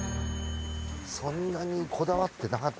そんなにこだわってなかった。